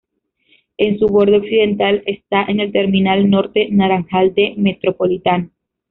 En su borde occidental está el Terminal Norte Naranjal del Metropolitano.